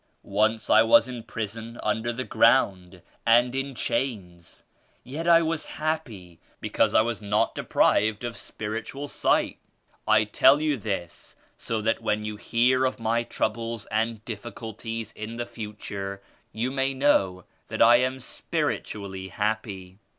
Once I was in prison under the ground and in chains, yet I was happy because I was not deprived of spiritual sight. I tell you this so that when you hear of my troubles and difficulties in the future, you may know that I am spiritually happy.